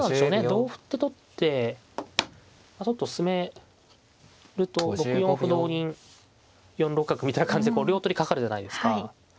同歩って取ってちょっと進めると６四歩同銀４六角みたいな感じでこう両取りかかるじゃないですか。